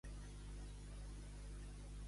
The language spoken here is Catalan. Dos a dos.